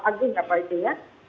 agung apa itu ya